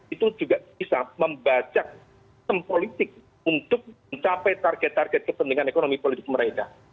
itu juga bisa membajak sistem politik untuk mencapai target target kepentingan ekonomi politik mereka